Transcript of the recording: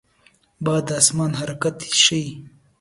باد د آسمان حرکت ښيي